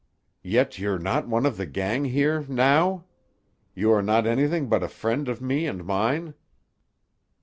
"Yet you're not one of the gang here—now? You are no' anything but a friend of me and mine?"